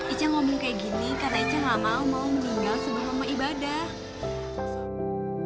ica ngomong kayak gini karena ica gak mau mau meninggal sebelum rumah ibadah